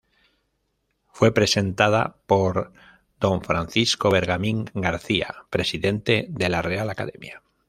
Fue presentada por D. Francisco Bergamín García, presidente de la Real Academia.